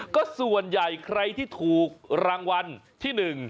ก็ส่วนใหญ่ใครที่ถูกรางวัลที่๑